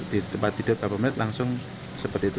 di tempat tidur beberapa menit langsung seperti itu